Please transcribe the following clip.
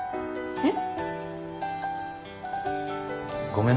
えっ！